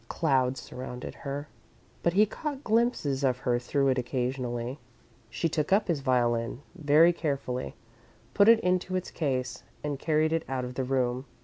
Cloud surrounded her, but he caught glimpses of her through it occasionally. She took up his violin, very carefully, put it into its case, and carried it out of the room.